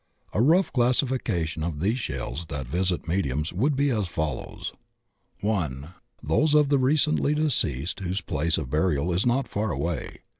A rough classification of these shells that visit me diums would be as follows: (1) Those of the recently deceased whose place of burial is not far away.